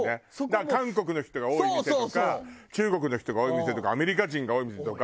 だから韓国の人が多い店とか中国の人が多い店とかアメリカ人が多い店とか。